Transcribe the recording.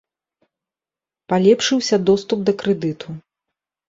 Палепшыўся доступ да крэдыту.